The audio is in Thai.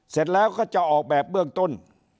เสร็จแล้วก็จะออกแบบเบื้องต้น